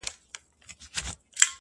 په تا هيـــــڅ خــــبر نـــه يــــم؛